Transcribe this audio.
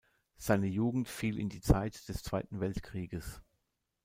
Seine Jugend fiel in die Zeit des Zweiten Weltkrieges.